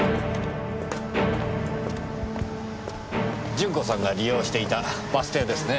順子さんが利用していたバス停ですね。